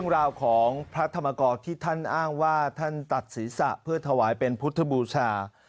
ราวของพระธรรมกรที่ท่านอ้างว่าท่านตัดศีรษะเพื่อถวายเป็นพุทธบูชา